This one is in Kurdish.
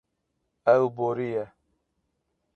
Ew boriye.